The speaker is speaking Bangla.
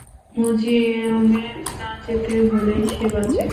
ম্যুজিয়মে না যেতে হলেই সে বাঁচে।